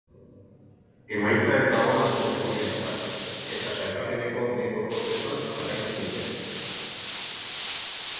Emaitza ez da ona zurigorrientzat, eta sailkapeneko beheko postuetan jarraitzen dute.